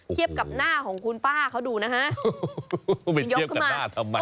เทียบกับหน้าของคุณป้าเขาดูนะฮะไปเทียบกับหน้าทำไม